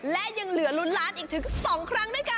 และยังเหลือลุ้นล้านอีกถึง๒ครั้งด้วยกัน